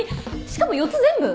しかも４つ全部？